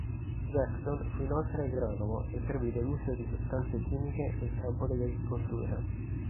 Jackson fu inoltre agronomo e previde l'uso di sostanze chimiche nel campo dell'agricoltura.